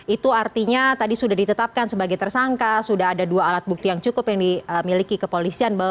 itu artinya tadi sudah ditetapkan sebagai tersangka sudah ada dua alat bukti yang cukup yang dimiliki kepolisian